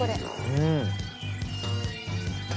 うん。